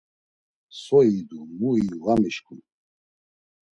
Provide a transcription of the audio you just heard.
So idu mu iyu var mişǩun.